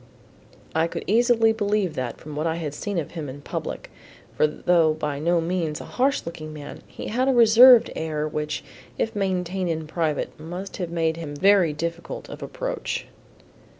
I could easily believe that from what I had seen of him in public, for though by no means a harsh looking man, he had a reserved air which if maintained in private must have made him very difficult of approach.